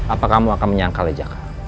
apa kamu akan menyangkal lejaka